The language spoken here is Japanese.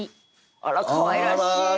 あらかわいらしい。